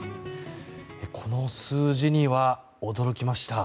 この数字には驚きました。